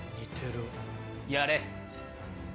やれ。